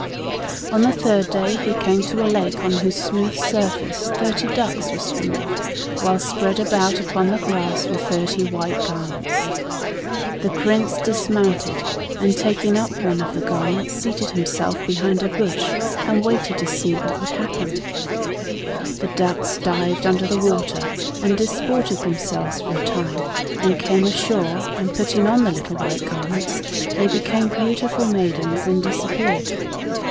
On the third day he came to a lake on whose smooth surface thirty ducks were swimming, while spread about upon the grass were thirty white garments. The Prince dismounted, and taking up one of the garments, seated himself behind a bush and waited to see what would happen. The ducks dived under the water and disported themselves for a time, then came ashore and putting on the little white garments, they became beautiful maidens, and disappeared.